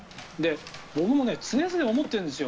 僕も常々思ってるんですよ。